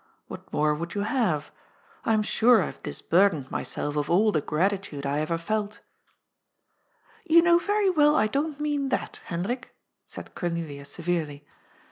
What more would you have? I'm sure I've dis burdened myself of all the gratitude I ever felt" " You know very well I don't mean that, Hendrik," said Cornelia severely.